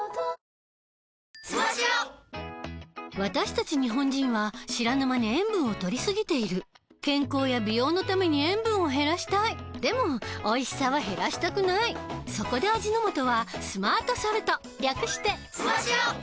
私たち日本人は知らぬ間に塩分をとりすぎている健康や美容のために塩分を減らしたいでもおいしさは減らしたくないそこで味の素は「スマートソルト」略して「スマ塩」！